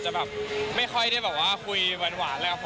จะแบบไม่ค่อยได้แบบคุยหวานอะไรกับผม